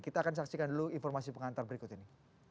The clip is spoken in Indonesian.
kita akan saksikan dulu informasi pengantar berikut ini